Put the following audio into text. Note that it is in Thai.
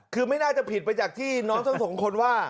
คือไม่น่าจะผิดไปจากที่น้องทั้งสองคนว่า